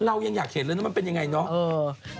เรายังอยากเห็นมันเป็นอย่างไรเนอะ